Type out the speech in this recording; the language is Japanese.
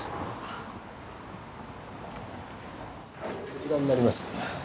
こちらになります。